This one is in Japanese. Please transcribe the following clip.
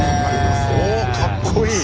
おおっかっこいい。